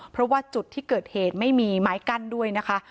เพราะว่าจุดที่เกิดเหตุไม่มีไม้กั้นด้วยนะคะ